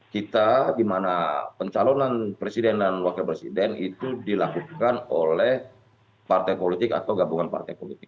kita di mana pencalonan presiden dan wakil presiden itu dilakukan oleh partai politik atau gabungan partai politik